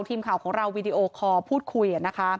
ทีมข่าวของเราวีดีโอคอร์พูดคุย